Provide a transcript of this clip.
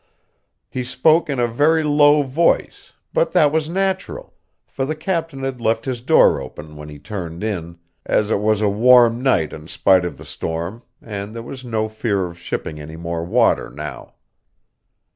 He spoke in a very low voice, but that was natural, for the captain had left his door open when he turned in, as it was a warm night in spite of the storm, and there was no fear of shipping any more water now.